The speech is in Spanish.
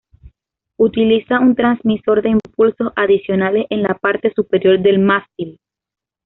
Utiliza un transmisor de impulsos adicionales en la parte superior del mástil.